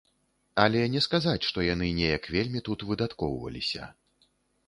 Але не сказаць, што яны неяк вельмі тут выдаткоўваліся.